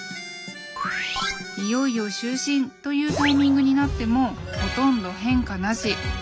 いよいよ就寝というタイミングになってもほとんど変化なし。